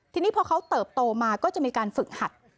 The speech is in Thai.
ทีนี้พอเขาเติบโตมาก็จะมีการฝึกหัด